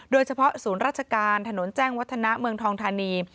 โดยเฉพาะศูนย์ราชการถนนแจ้งวัฒนะเมืองทองทานี